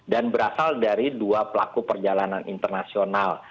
dan berasal dari dua pelaku perjalanan internasional